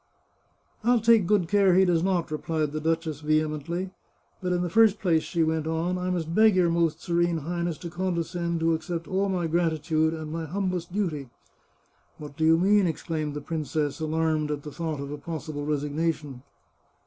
" I'll take good care he does not," replied the duchess vehemently. " But in the first place," she went on, " I must 442 The Chartreuse of Parma beg your Most Serene Highness to condescend to accept all my gratitude and my humblest duty." " What do you mean ?" exclaimed the princess, alarmed at the thought of a possible resignation.